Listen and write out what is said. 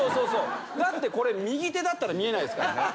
だってこれ右手だったら見えないですから。